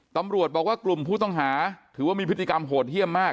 ตำรวจบอกว่ากลุ่มผู้ต้องหาถือว่ามีพฤติกรรมโหดเยี่ยมมาก